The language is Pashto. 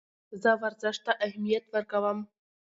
زه ورزش ته اهمیت ورکوم.